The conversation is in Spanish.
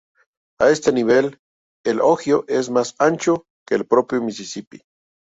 A este nivel, el Ohio es más ancho que el propio Misisipi.